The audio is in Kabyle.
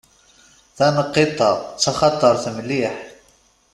Taneqqiṭ-a d taxatart mliḥ.